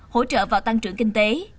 hỗ trợ vào tăng trưởng kinh tế